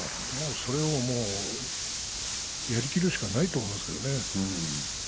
それをやりきるしかないと思うんですがね。